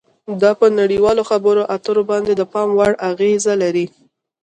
دا په نړیوالو خبرو اترو باندې د پام وړ اغیزه لري